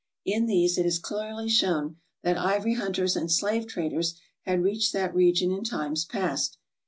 In these it is clearly shown that ivory hunters and slave traders had reached that region in times past.